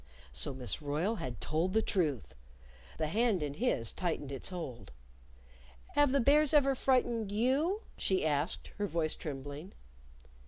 So Miss Royle had told the truth! The hand in his tightened its hold. "Have the bears ever frightened you?" she asked, her voice trembling.